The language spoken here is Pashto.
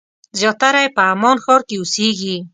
زیاتره یې په عمان ښار کې اوسېږي.